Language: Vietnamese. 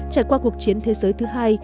trải qua cuộc chiến thế giới thứ hai